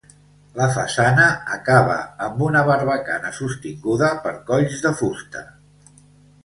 La façana acaba amb una barbacana sostinguda per colls de fusta.